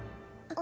⁉あ。